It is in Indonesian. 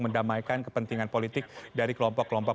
mendamaikan kepentingan politik dari kelompok kelompok